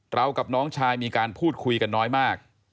กับน้องชายมีการพูดคุยกันน้อยมาก